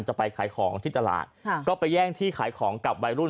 จะไปขายของที่ตลาดค่ะก็ไปแย่งที่ขายของกับวัยรุ่น